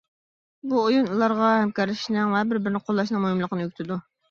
بۇ ئويۇن ئۇلارغا ھەمكارلىشىشنىڭ ۋە بىر-بىرىنى قوللاشنىڭ مۇھىملىقىنى ئۆگىتىدۇ.